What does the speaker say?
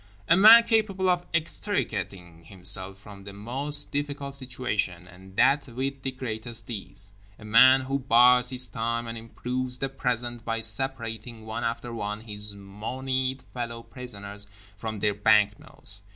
A man capable of extricating himself from the most difficult situation; and that with the greatest ease. A man who bides his time; and improves the present by separating, one after one, his monied fellow prisoners from their banknotes.